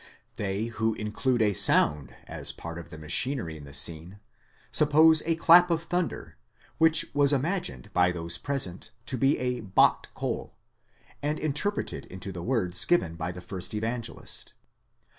They who include a sound as a part of the machinery in the scene, suppose a clap of thunder, which was imagined by those present to be a Bath Kol, and interpreted into the words given by the first Evangelist.